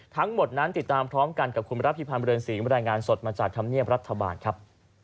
ทั้งหมดนั้นติดตามพร้อมกันกับคุณรับพิพันธ์เรือนศรีบรรยายงานสดมาจากธรรมเนียบรัฐบาลครับ